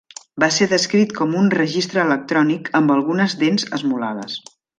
Va ser descrit com un "registre electrònic amb algunes dents esmolades".